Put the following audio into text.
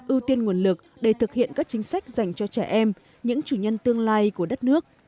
ưu tiên nguồn lực để thực hiện các chính sách dành cho trẻ em những chủ nhân tương lai của đất nước